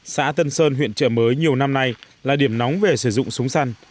xã tân sơn huyện trợ mới nhiều năm nay là điểm nóng về sử dụng súng săn